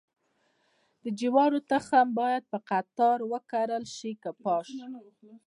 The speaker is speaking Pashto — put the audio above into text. د جوارو تخم باید په قطار وکرل شي که پاش؟